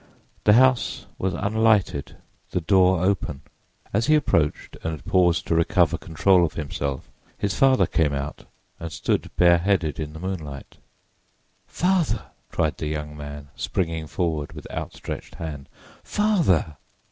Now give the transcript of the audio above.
The house was unlighted, the door open. As he approached and paused to recover control of himself his father came out and stood bare headed in the moonlight. "Father!" cried the young man, springing forward with outstretched hand—"Father!"